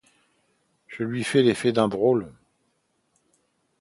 Je lui fais l’effet d’un drôle.